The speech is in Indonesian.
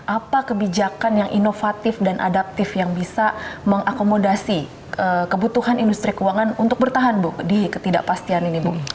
apa kebijakan yang inovatif dan adaptif yang bisa mengakomodasi kebutuhan industri keuangan untuk bertahan bu di ketidakpastian ini bu